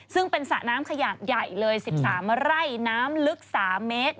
ซึ่งเป็นสระน้ำขนาดใหญ่เลย๑๓ไร่น้ำลึก๓เมตร